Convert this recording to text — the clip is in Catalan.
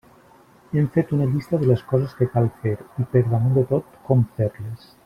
Hem fet una llista de les coses que cal fer, i per damunt de tot, com fer-les.